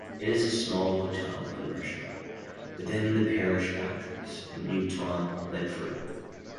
It is a small hotel and restaurant, within the parish boundaries of Newtown Linford.